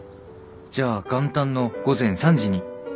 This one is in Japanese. じゃあ元旦の午前３時に。